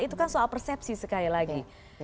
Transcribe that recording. itu kan soal persepsi sekali lagi